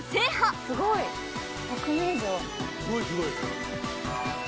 すごいすごい。